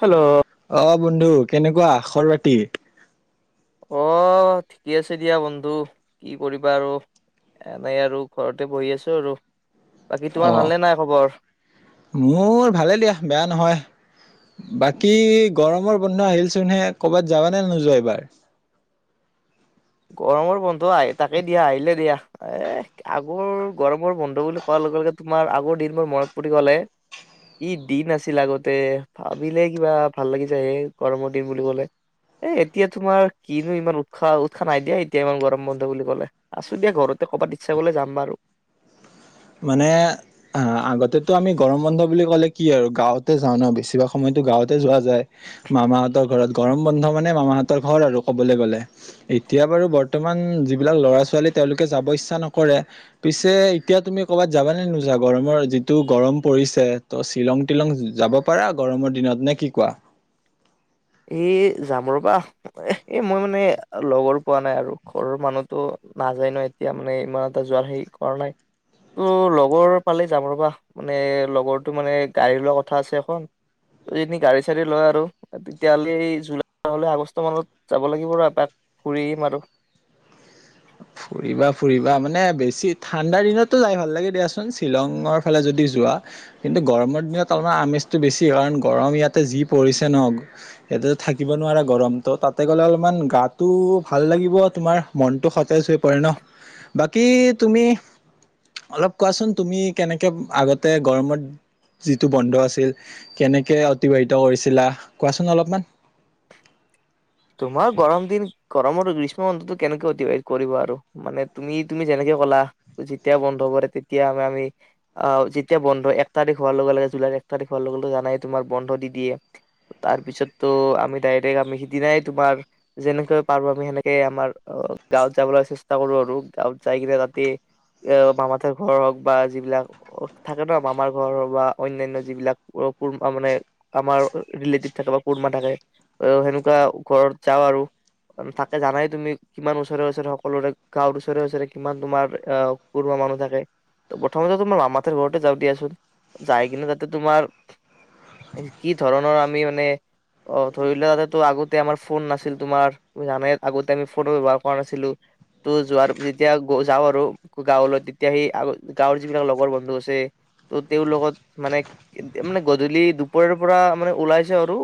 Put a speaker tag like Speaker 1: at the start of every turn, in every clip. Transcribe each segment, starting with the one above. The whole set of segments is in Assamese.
Speaker 1: হেল্ল'
Speaker 2: অ বন্ধু কেনেকুৱা খবৰ খাতি?
Speaker 1: অ', ঠিকে আছে দিয়া বন্ধু কি কৰিবা আৰু এনেই আৰু ঘৰতে বহি আছো আৰু। বাকী তোমাৰ ভালনে নাই খবৰ
Speaker 2: অ' মোৰ ভালেই দিয়া বেয়া নহয়। বাকী গৰমৰ বন্ধ আহিলচোনহে কৰ'ৰবাত যাবা নে নোযোৱা এইবাৰ?
Speaker 1: গৰমৰ বন্ধ আহি তাকে দিয়া আহিলে দিয়া এ আগৰ গৰমৰ বন্ধ বুলি কোৱাৰ লগে লগে তোমাৰ আগৰ দিন মোৰ মনত পৰি কলে ই দিন আছিল আগতে ভাবিলে কিবা ভাল লাগি যায় হে গৰমৰ দিন বুলি কলে এ এতিয়া তোমাৰ কিনো ইমান উৎসাহ। খ নাই দিয়া এতিয়া ইমান গৰম বন্ধ বুলি ক'লে আছো দিয়া ঘৰতে কবাত ইচ্ছা কৰিলে যাম বাৰু।
Speaker 2: মানে অ', আগতেতো আমি গৰম বন্ধ বুলি ক'লে কি আৰু গাওঁতে যাও ন বেছিভাগ সময়তো গাওঁতে যোৱা যায় মামাহতৰ ঘৰত গৰম বন্ধ মানে মামাহতৰ ঘৰ আৰু কবলৈ গলে এতিয়া বাৰু বৰ্তমান যিবিলাক ল'ৰা ছোৱালী তেওঁলোকে যাব ইচ্ছা নকৰে পিছে এতিয়া তুমি কৰ'বাত যাব নে নোজা গৰমৰ যিটো গৰম পৰিছে ত' শ্বিলং টিলং যাব পাৰা গৰমৰ দিনত নে কি কোৱা।
Speaker 1: এ যাম ৰবা এই মই মানে লগৰ পোৱা নাই আৰু ঘৰৰ মানুহটো নাযায় ন এতিয়া মানে ইমান এটা যোৱাৰ হেৰি কৰা নাই ত' লগৰ পালে যাম ৰবা মানে লগৰটো মানে গাড়ী লোৱা কথা আছে এখন ত যিজন গাড়ী চড়ী লয় আৰু তেতিয়'লে জুলাইলে আগষ্ট মানত যাব লাগিব ৰ এপাক ঘুৰি আহিম আৰু।
Speaker 2: ফুৰিবা ফুৰিবা মানে বেছি ঠাণ্ডাৰ দিনটো যাই ভাল লাগে দিয়াচোন শ্বিলঙৰ ফালে যদি যোৱা কিন্তু গৰমৰ দিনত অলপমান আমেজটো বেছি কাৰণ গৰম ইয়াতে যি পৰিছে ন ইয়াতে থাকিব নোৱা গৰমটো তাতে গ'লে অলপমান গাটো ভাল লাগিব তোমাৰ মনতটো স হৈ পৰে ন বাকী তুমি অলপ কোৱাচোন তুমি কেনেকে আগতে গৰমত যিটো বন্ধ আছিল কেনেকে অতিবাহিত কৰিছিলা কোৱাচোন অলপমান।
Speaker 1: তোমাৰ গৰম দিন গৰমৰ গ্ৰীষ্ম বন্ধতটো কেনেকে অতিবাহিত কৰিবা আৰু মানে তুমি তুমি যেনেকে কলা যেতিয়া বন্ধ কৰে তেতিয়া আম আমি আহ যেতিয়া বন্ধ এক তাৰিখ হোৱাৰ লগে লগে জুলাই এক তাৰিখ হোৱাৰ লগে লগে জানাই তোমাৰ বন্ধ দি দিয়ে তাৰ পিছতো আমি ডাইৰেক্ট আমি সিদিনাই তোমাৰ যেনেকৈ পাৰো আমি সেনেকে আমাৰ গাঁৱত যাবলৈ চেষ্টা কৰো আৰু গাঁৱত যাই কিনে ৰাাতি এ মামাৰ ঘৰ হওক বা যিবিলাক থাকে ন মামাৰ ঘৰ হওক বা অন্য়ান্য় যিবিলাক কা মানে আমাৰ ৰিলেটিভ থাকে বা কৰ্মা থাকে সেনেকুৱা ঘৰত যাওঁ আৰু তাকে জানাই তুমি কিমান ওচৰে ওচৰে সকলোৰে গাঁৱৰ ওচৰে ওচৰে কিমান তোমাৰ আহ পৰুৱা মানুহ থাকে ত প্ৰথমতে তোমাৰ মামাতেৰ ঘৰতে যাও দিয়াচোন যাই কিনে তাতে তোমাৰ কি ধৰণৰ আমি মানে অ ধৰিলে তাতে তো আগত আমাৰ ফোন নাছিল তোমাৰ জানাই আগতে আমি ফোন ব্যৱহাৰ কৰা নাছিলো ত' যোৱাৰ যেতিয়া যাওঁ আৰু গাঁৱলৈ তেতিয়া সি আ গাঁৱৰ যিবিলাক লগৰ বন্ধু আছে ত তেওঁৰ লগত মানে মানে গধূলি দুপৰৰ পৰা মানে ওলাইছে আৰু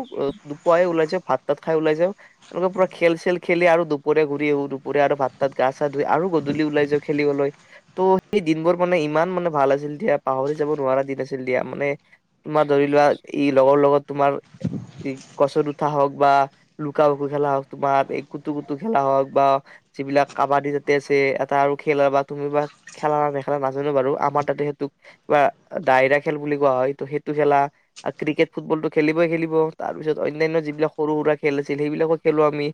Speaker 1: দুপুৱাই ওলাইছে ভাত তাত খাই ওলাই যাওঁ এনেকুৱা পুৰা খেল চেল খেলি আৰু দুপৰীয়া ঘূৰি আহো দুপৰীয়া আৰু ভাত তাত গা চা ধুই আৰু গধূলি ওলাই যাও খেলিবলৈ ত সেই দিনবোৰ মানে ইমান মানে ভাল আছিল দিয়া পাহৰি যাব নোৱাৰা দিন আছিল দিয়া মানে তোমাৰ ধৰি লোৱা ই লগৰ লগত তোমাৰ গছত উঠা হও বা লুকা বুকু খেলা হওক তোমাৰ এই কুটু কুটু খেলা হওক বা যিবিলাক কাবাডী তাতে আছে এটা আৰু খেলা বা তুমি বা খেলা নেখেলা নাজানো বাৰু আমাৰ তাতে সেইটোক কিবা ডায়ৰা খেল বুলি কোৱা হয় ত সেইটো খেলা ক্ৰিকেট ফুটবল টো খেলিবই খেলিব তাৰ পিছত অন্য়ানয় যিবিলাক সৰু সুৰা খেল আছিল সেইবিলাকো খেলো আমি,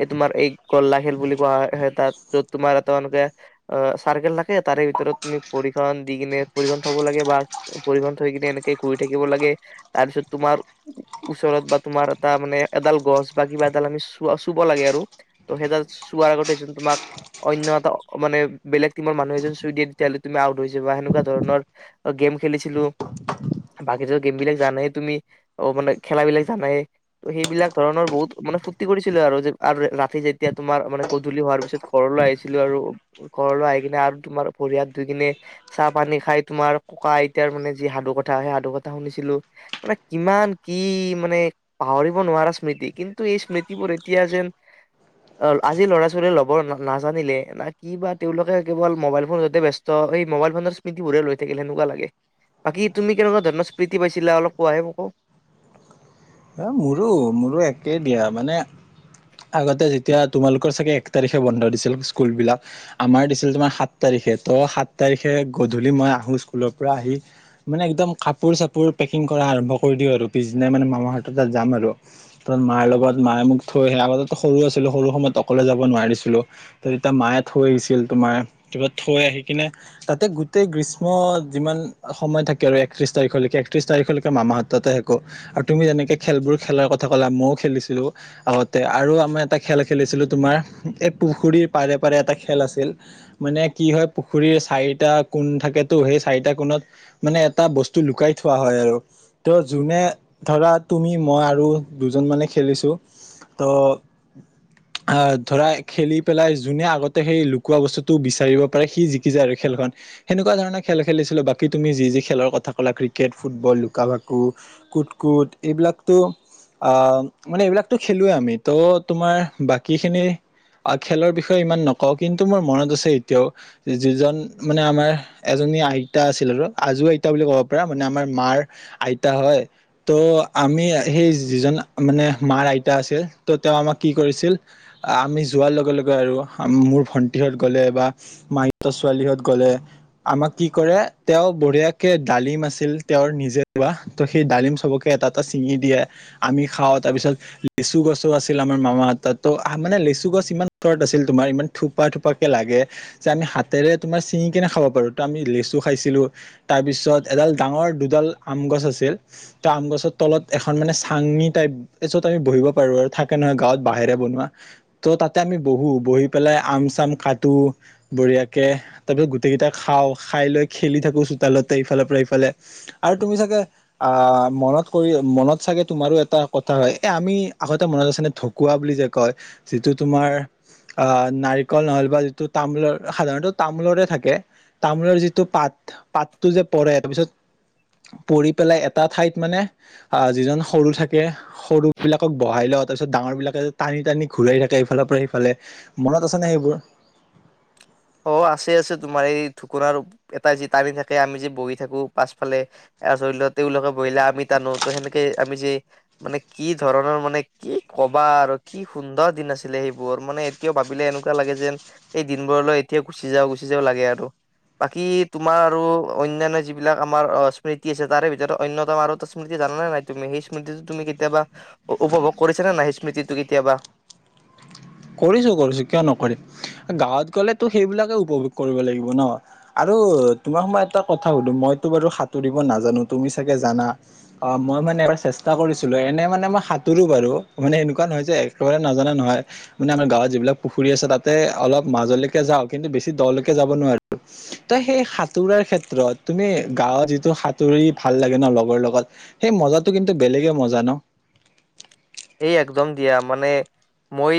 Speaker 1: এই তোমাৰ এই গল্লা খেল বুলি কোৱা হয় হয় তাত য'ত তোমাৰ তেওঁলোকে চাৰ্কেল লাগে, তাৰে ভিতৰত তুমি প্ৰৰিক্ষৰন দি কিনে পৰিমাণ থব লাগে বা পৰিমাণ থৈ কিনে এনেকে কৈ থাকিব লাগে, তাৰ পিছত তোমাৰ ওচৰত বা তোমাৰ এটা মানে এডাল গছ বা কিবা এডাল আমি চ-চুব লাগে আৰু ত' সেইডাল চোৱাৰ আগতে এজন তোমাক অন্য এটা মানে বেলেগ টিমৰ মানুহ এজন চুই দিয়ে তেতিয়াাহ'লে তুমি আউট হৈ য বা সেনেকুৱা ধৰণৰ, গেম খেলিছিলো, বাকি গেম বিলাক জানাই তুমি, অ মানে খেলা বিলাক জানাই, ত সেইবিলাক ধৰণৰ বহুত মানে ফুৰ্তি কৰিছিলো আৰু যে আৰু ৰাতি যেতিয়া তোমাৰ মানে গধূলি হোৱাৰ পিছত ঘৰলৈ আহিছিলো আৰু ঘৰলৈ আহি কিনে আৰু তোমাৰ ভৰি-হাত ধুই কিনে, চাহ-পানী খাই তোমাৰ ককা-আইতাৰ মানে যি সাধু কথা সেই সাধু কথা শুনিছিলো মানে কিমান কি মানে পাহৰিব নোৱাৰা স্মৃতি, কিন্তু এই স্মৃতিবোৰ এতিয়া যেন, আজি ল'ৰা-ছোৱালীয়ে ল'ব নাজানিলে না কি বা তেওঁলোকে কেৱল মোবাইল ফোন যতে ব ব্যস্ত এই মোবাইল ফোনৰ স্মৃতিবোৰে লৈ থাকিল সেনেকুৱা লাগে, বাকী তুমি কেনেকুৱা ধৰণৰ স্মৃতি পাইছিলা অলপ কোৱাহে মকৌ।
Speaker 2: অ', মোৰো, মোৰো একে দিয়া মানে আগতে যেতিয়া তোমালোকৰ চাগে এক তাৰিখে বন্ধ দিছিল স্কুল বিলাক আমাৰ দিছিল তোমাৰ সাত তাৰিখে তো সাত তাৰিখে গধূলি মই আহো স্কুলৰ পৰা আহি মানে একদম কাপোৰ চাপোৰ পেকিং কৰা আৰম্ভ কৰি দিও আৰু পিছদিনা মানে মামাহ তাত যাম আৰু, ত মাৰ লগত মায়ে মোক থৈ আহে, আগতে সৰু আছিলো সৰু সময়ত অকলে যাব নোৱাৰিছিলো, ত তেতিয়া মায়ে থৈ আহিছিল তোমাৰ ত থৈ আহি কিনে তাতে গোতেই গ্ৰীষ্ম যিমান সময় থাকে আৰু একত্ৰিশ তাৰিখলৈকে একত্ৰিশ তাৰিখলৈকে মামাহ হততে থাকো আৰু তুমি যেনেকে খেলবোৰ খেলাৰ কথা ক'লা মইও খেলিছিলো, আগতে, আৰু আমাৰ এটা খেল খেলিছিলো তোমাৰ, এই পুখুৰীৰ পাৰে পাৰে এটা খেল আছিল, মানে কি হয় পুখুৰীৰ চাৰিটা কোণ থাকেটো সেই চাৰিটা কোণত মানে এটা বস্তু লুকাই থোৱা হয় আৰু ত' যোনে ধৰা তুমি মই আৰু দুজন মানে খেলিছো, ত, আহ, ধৰা খেলি পেলাই যোনে আগতে সেই লুকোৱা বস্তুটো বিচাৰিব পাৰে সি জিকি যায় আৰু খেলখন, সেনেকুৱা ধৰণে খেল খেলিছিলো বাকী তুমি যি যি খেলৰ কথা কলা ক্ৰিকেট ফুটবল লুকা ভাকু কুট কুট এইবিলাকতো, আহ, মানে এইবিলাকতো খেলোবে আমি, ত' তোমাৰ বাকী খিনি, খেলৰ বিষয়ে ইমান নকওঁ কিন্তু মোৰ মনত আছে এতিয়াও, যিজন মানে আমাৰ এজনী আইতা আছিল আৰু, আজো আইতা বুলি ক'ব পাৰা, মানে আমাৰ মাৰ আইতা হয় ত আমি সেই যিজন মানে মাৰ আইতা আছিল তো তেওঁ আমাক কি কৰিছিল, আমি যোৱাৰ লগে লগে আৰু মোৰ ভণ্টিহঁত গ'লে বা মাহি-হতৰ ছোৱালীহঁত গ'লে আমাক কি কৰে তেওঁ বঢ়িয়াকে ডালিম আছিল তেওঁৰ নিজে ৰোৱা, সেই ডালিম চবকে এটাত চিঙি দিয়ে, আমি খাওঁ তাৰপিছত লেচু গছো আছিল আমাৰ মামাহত ত মানে লেচু গছ ইমান ওচৰত আছিল তোমাৰ ইমান থোপা থোপাকে লাগে, যে আমি হাতেৰে তোমাৰ চিঙি কিনে খাব পাৰো, ত আমি লেচু খাইছিলো, তাৰপিছত এডাল ডাঙৰ দুডাল আম গছ আছিল, ত আম গছত তলত এখন মানে চাঙনি টাইপ এই চত আমি বহিব পাৰো, আৰু থাকে নহয় গাঁৱত বাহেৰে বনোৱা, ত' তাতে আমি বহো, বহি পেলাই আম চাম কাটো, বঢ়িয়াকে, তাৰ পিছত গোটেই কেইটা খাওঁ খাই লৈ খেলি থাকো চোতালতে ইফালৰ পৰা ইফালে আৰু তুমি চাগে আহ- মনত কৰি মনত চাগে তোমাৰো এটা কথা হয় এ আমি আগতে মনত আছে ন ঢকুৱা বুলি যে কয় যিটো তোমাৰ, অ- নাৰিকল নহ'লে বা যিটো তামোলৰ সাধাৰণতে তামোলৰে থাকে, তামোলৰ যিটো পাত, পাতটো যে পৰে তাৰপিছত, পৰি পেলাই এটা ঠাইত মানে আহ যিজন সৰু থাকে, সৰু বিলাকক বহাই লওঁ তাৰ পিছত ডাঙৰ বিলাকে টানি টানি ঘূৰাই থাকে ইফালৰ পৰা সিফালে, মনত আছে ন সেইবোৰ।
Speaker 1: অ আছে আছে তোমাৰ এই ঢুকৰাৰ ওপ এটা যিটানি থাকে, আমি যে বহি থাকো, পাছফালে, ধৰি লও তেওঁলোকে বহিলে আমি টানো ত সেনেকে আমি যে মানে কি ধৰণৰ মানে কি কবা আৰু কি সুন্দৰ দিন আছিলে সেইবোৰ মানে এতিয়াও ভাবিলে এনেকুৱা লাগে যেন সেই দিনবোৰলৈ এতিয়া গুচি যাও গুচি যাও লাগে আৰু, বাকী তোমাৰ আৰু অনান্য যিবিলাক আমাৰ স্মৃতি আছে তাৰে ভিতৰত অন্য এটা আৰু স্মৃতি জানানে নাই, তুমি সেই স্মৃতিটো তুমি কেতিয়াবা উপভোগ কৰিছা নে নাই সেই স্মৃতিটো কেতিয়াবা।
Speaker 2: কৰিছো কৰিছো, কিয় নকৰিম, গাঁৱত গলে তো সেইবিলাকে উপভোগ কৰিব লাগিব ন, আৰু তোমাক মই এটা কথা সুধো মইতো বাৰু সাঁতুৰিব নাজানো তুমি চাগে জানা, অ মই মানে এবাৰ চেষ্টা কৰিছিলো এনে মানে মই সাঁতোৰো বাৰু, মানে এনেকুৱা নহয় যে একেবাৰে নাজানা নহয় মানে আমাৰ গাঁৱত যিবিলাক পুখুৰী আছে তাতে অলপ মাজলৈকে যাওঁ কিন্তু বেছি দৰলৈকে যাব নোৱাৰো, ত সেই সাঁতোৰাৰ ক্ষেত্ৰত তুমি গাঁৱত যিটো সাঁতুৰি ভাল লাগে ন লগৰ লগত, সেই মজাটো কিন্তু বেলেগে মজা ন।
Speaker 1: এ একদম দিয়া, মানে, মই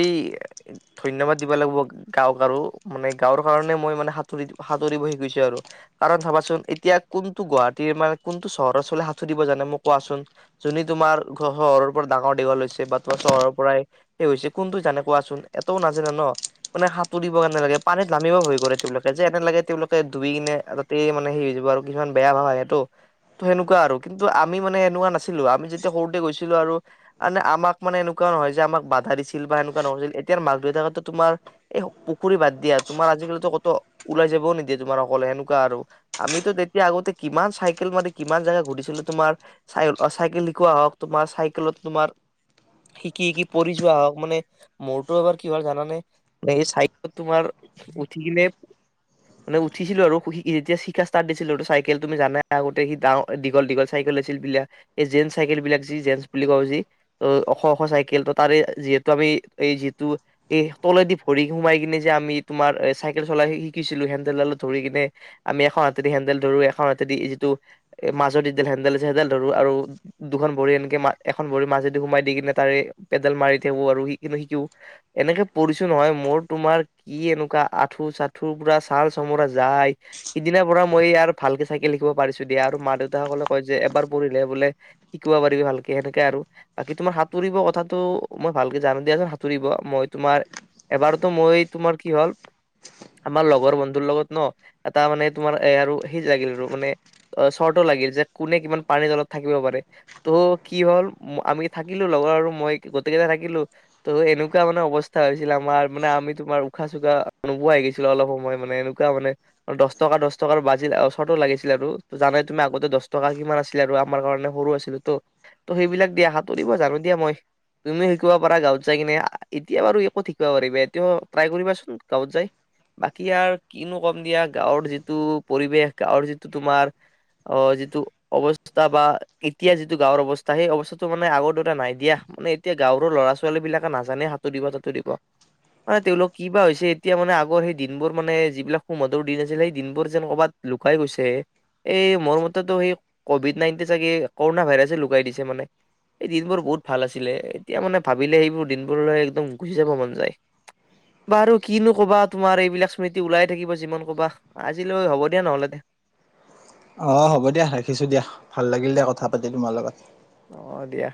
Speaker 1: ধন্যবাদ দিব লাগিব গাঁওক আৰু, মানে গাঁৱৰ কাৰণে মই মানে সাঁতুৰি-সাঁতুৰিব শিকিছো আৰু, কাৰণ চাবাচোন এতিয়া কোনটো গুৱাহাটীৰ মানে কোনটো চহৰৰওচৰলৈ সাঁতুৰিব জানে মোক কোৱাচোন, যোনে তোমাৰ চহৰৰ পৰা ডাঙৰ দীঘল লৈছে বা তোমাৰ চহৰৰ পৰাই, হৈছে কোনটো জানে কোৱাচোন, এটাও নাজানে ন, মানে সাঁতুৰিব কাৰণে লাগে পানীত নামিবও ভয় কৰে তেওঁলোকে যে এনে লাগে তেওঁলোকে ধুই কিনে তাতেই মানে সেই হৈ যাব আৰু কিছুমান বেয়া ভাব আহে তো, ত সেনেকুৱা আৰু, কিন্তু আমি মানে এনেকুৱা নাছিলো আমি যেতিয়া সৰুতে গৈছিলো আৰু মে আমাক মানে এনেকুৱা নহয় যে আমাক বাধা দিছিল বা এনেকুৱা নহৈছিল এতিাৰ মাক দেউতাকো তোমাৰ, এই পুখুৰী বাদ দিয়া, তোমাৰ আজিকালিো কতো ওলাই যাবও নিদিয়ে তোমাৰ সকলে এনেকুৱা আৰু, আমিতো তেতিয়া আগতে কিমান চাইকেল মানে কিমান জেগা ঘুৰিছিলো তোমাৰ চাই-চাইকেল শিকোৱা হক তোমাৰ চাইকেলত তোমাৰ শিকি শিকি পৰি যোৱা হওক, মানে মোৰতো এবাৰ কিহাৰ জানানে, এই চাইেল তোমাৰ, উঠি কিনে, মানে উঠিছিলো আৰু যেতিয়া শিকা ষ্টাৰ্ট দিছিলো চাইকেল তুমি জানাই আগতে সি-ডাৰ দীঘল-দীঘল চাইকেল আছিল বিলাক, এই জেন্ চাইকেল বিলাক যি জেন্ বুলি কওঁ যি ত ওখ-ওখ চাইকেল, ত তাৰে যিহেতু আমি, এই যিহেতো, এই তলেদি ভৰি সোমাই কিনে যে আমি তোমাৰ এ চাইকেল চলাই শিকিছিলো হেণ্ডেলডালত ধৰি কিনে, আমি এখন হাতেদি হেণ্ডেল ধৰো এখন হাতেদি যিটো এ মাজতডাল হেণ্ডেল আছে হেডাল ধৰো, আৰু দুখন ভৰি এনেকে এখন ভৰিৰ মাজেদি সোমাই দি কিনে তাৰে পেডেল মাৰি থাকো আৰু শিকনে-শিকো, এনেকে পঢ়িছো নহয় মোৰ তোমাৰ কি এনেকুৱা আঁঠু-চাঠুৰ পুৰা ছাল চমোৰা যায়, সিদিনাৰ পৰা মই আৰু ভালকে চাইকেল শিকিব পাৰিছো দিয়া, আৰু মা দেউতাাসকলে কয় যে এবাৰ পঢ়িলে বোলে শিকিব পাৰিবি ভালকে এনেকে আৰু বাকি তোমাৰ সাঁতুৰিব কথাটো মই ভালকে জানো দিয়াচোন সাঁতুৰিব, মই তোমাৰ, এবাৰতো মই তোমাৰ কি হল, আমাৰ লগৰ বন্ধুৰ লগত ন, এটা মানে তোমাৰ এ আৰু সেই লাগিল আৰু মানে, চৰ্ত লাগিল যে কোনে কিমান পানীৰ তলত থাকিব পাৰে, ত' কি হল আমি থাকিলো লগৰ আৰু মই গোটেইকেইটা থাকিলো, ত এনেকুৱা মানে অৱস্থা হৈছিল আমাৰ মানে আমি তোমাৰ উশাহ চুকাা নোবোৱা হৈ গৈছিলো অলপ সময় মানে এনেকুৱা মানে, দহ-টকা দহ-টকাৰ বাজিল শৰ্ত লাগিছিল আৰু ত জানে তুমি আগতে দহ টকা কিমান আছিলে আৰু আমাৰ কাৰণে সৰু আছিলো তো, ত সেইবিলাক দিয়াাত তৰিব জানো দিয়া মই, তুমিও শিকিব পাৰা গাঁৱত যাই কিনে এতিয়া বাৰু একত শিকিব পাৰিবা, এতিয়া ট্ৰাই কৰিবাচোন গাঁৱত যাই, বাকি আৰু কিনো কম দিয়া গাঁৱৰ যিটো পৰিৱেশ গাঁৱৰ যিটো তোমাৰ অ যিটো অৱস্থা বা এতিয়া যিটো গাঁৱৰ অৱস্থা সেই অৱস্থামাৰ আগৰ দৰে নাই দিয়া, মানে এতিয়া গাঁৱৰ ল'ৰা ছোৱালী বিলাকে নাজানে সাঁতুৰিব-তাঁতুৰিব, মানে তেওঁলোক কি বা হৈছে এতিয়া মানে আগৰ সেই দিনবোৰ মানে যিবিলাক সুমধুৰ দিন আছিল সেই দিনবোৰ যেন ক'বাত লুকাই গৈছে, এই মোৰ মতেতো সেই কভিড নাইনটিন চাগে কৰোণনা ভাইৰাছে লুকাই দিছে মানে। এই দিনবোৰ বহুত ভাল আছিলে এতিয়া মানে ভাবিলে সেইবোৰ দিনবোৰলৈ একদম গুচি যাব মন যায়, বাৰু কিনো কবা তোমাৰ এইবিলাক স্মৃতি ওলাই থাকিব যিমান কবা, আজিলৈ হ'ব দিয়া নহলে।
Speaker 2: অ হ'ব দিয়া ৰাখিছো দিয়া, ভাল লাগিল দিয়া কথা পাতি তোমাৰ লগত।
Speaker 1: অ দিয়া।